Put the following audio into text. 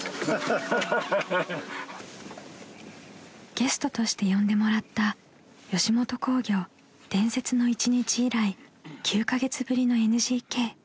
［ゲストとして呼んでもらった吉本興業伝説の一日以来９カ月ぶりのＮＧＫ］